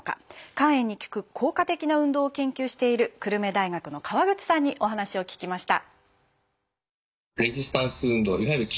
肝炎に効く効果的な運動を研究している久留米大学の川口さんにお話を聞きました。